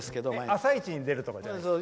「あさイチ」に出るとかないんですか？